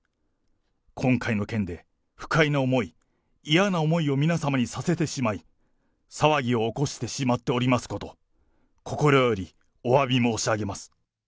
今回の件で不快な思い、嫌な思いを皆様にさせてしまい、騒ぎを起こしてしまっておりますこと、心よりおわび申し上げます。